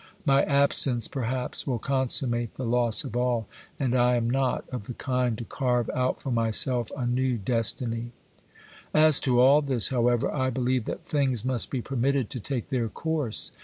My absence perhaps will consummate the loss of all, and I am not of the kind to carve out for myself a new destiny. As to all this, however, I believe that things must be permitted to take their course.